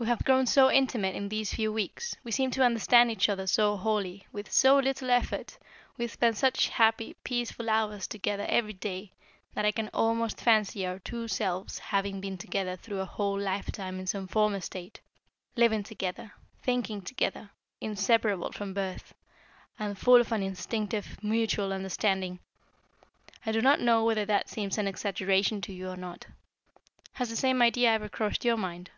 We have grown so intimate in these few weeks, we seem to understand each other so wholly, with so little effort, we spend such happy, peaceful hours together every day, that I can almost fancy our two selves having been together through a whole lifetime in some former state, living together, thinking together, inseparable from birth, and full of an instinctive, mutual understanding. I do not know whether that seems an exaggeration to you or not. Has the same idea ever crossed your mind?"